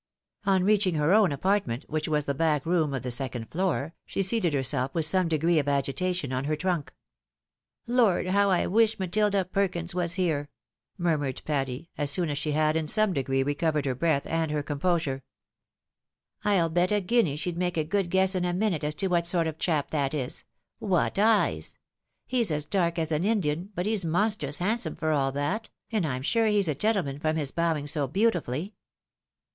On reaching her own apartment, which was the back room of the second floor, she seated herself with some degree of agitation on her trunk. " Lord, how I wish Matilda Perkins was here !" murmured Patty, as soon as she had, in some degree, recovered her breath and her composure. " I'll bet a guinea she'd make a good guess in a minute as to what sort of chap that is — what eyes! He's as dark as an Indian, but he's monstrous handsome for all that, and I'm sure he's a gentleman from his bowing so beautifully."